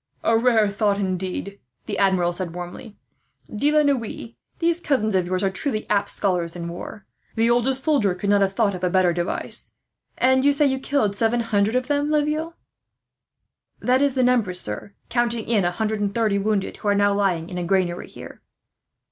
"A rare thought, indeed," the Admiral said warmly. "De la Noue, these cousins of yours are truly apt scholars in war. The oldest soldier could not have thought of a better device. "And you say you killed seven hundred of them, Laville?" "That is the number, sir, counting in a hundred and thirty wounded, who are now lying in a granary here."